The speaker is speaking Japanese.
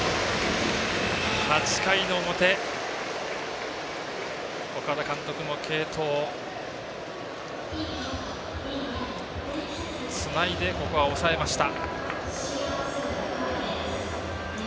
８回の表、岡田監督の継投つないで、ここは抑えました。